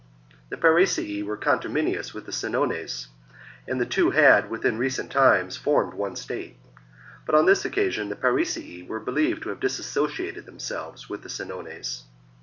The Parisii were conterminous with the Senones, and the two had, within recent times, formed one state ; but on this occasion the Parisii were believed to have dissociated themselves from the Senones.